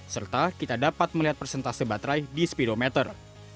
serta kita dapat melihat persentase baterai di speedometer